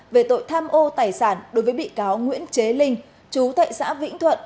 về tội tham ô tài sản đối với bị cáo nguyễn chế linh chú thệ xã vĩnh thuận